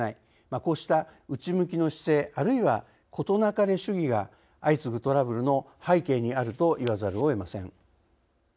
こうした内向きの姿勢あるいは事なかれ主義が相次ぐトラブルの背景にあると言わざるをえません。